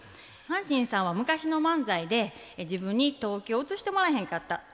阪神さんは昔の漫才で自分に登記を移してもらえへんかった。